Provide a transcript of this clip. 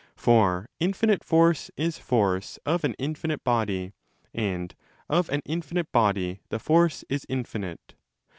or infinite force is force of an infinite body, and of an infinite body the force is infinite.